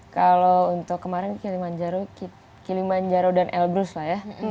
kalau untuk kemarin kilimanjaro dan elbrus lah ya